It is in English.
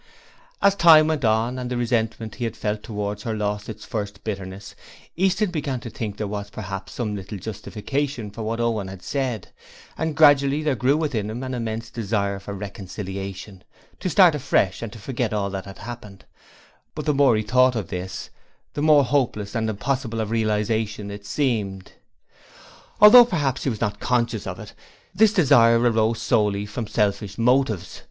As time went on and the resentment he had felt towards her lost its first bitterness, Easton began to think there was perhaps some little justification for what Owen had said, and gradually there grew within him an immense desire for reconciliation to start afresh and to forget all that had happened; but the more he thought of this the more hopeless and impossible of realization it seemed. Although perhaps he was not conscious of it, this desire arose solely from selfish motives.